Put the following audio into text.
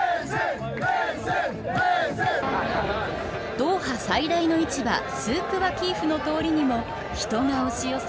ドーハ最大の市場スークワキーフの通りにも人が押し寄せ